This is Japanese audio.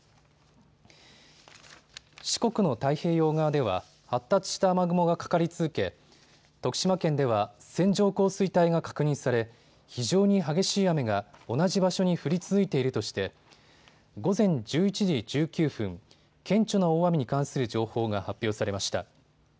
四国の太平洋側では発達した雨雲がかかり続け徳島県では線状降水帯が確認され非常に激しい雨が同じ場所に降り続いているとして午前１１時１９分、顕著な大雨に関する情報が発表されました。